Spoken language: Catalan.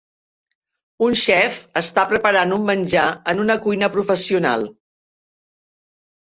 Un xef està preparant un menjar en una cuina professional